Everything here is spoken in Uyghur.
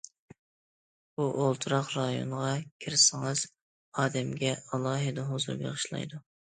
بۇ ئولتۇراق رايونىغا كىرسىڭىز ئادەمگە ئالاھىدە ھۇزۇر بېغىشلايدۇ.